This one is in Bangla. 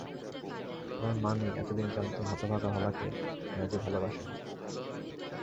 আমার মা নেই, এতদিন জানতেম হতভাগা হলাকে আয়াজি ভালোবাসেন।